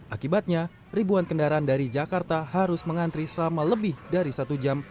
akibatnya ribuan kendaraan dari jakarta harus mengantri selama lebih dari satu jam